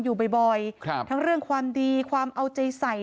อยู่บ่อยครับทั้งเรื่องความดีความเอาใจใส่